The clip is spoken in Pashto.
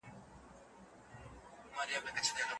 هغه وخت چي باران وریده موږ کور کي ناست وو.